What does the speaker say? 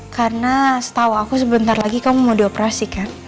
karena setau aku sebentar lagi kamu mau dioperasikan